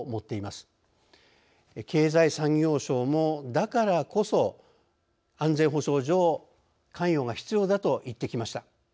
経済産業省もだからこそ安全保障上関与が必要だと言ってきました。